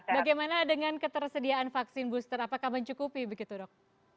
bagaimana dengan ketersediaan vaksin booster apakah mencukupi begitu dok